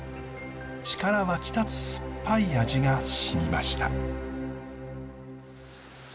力湧き立つすっぱい味がしみました。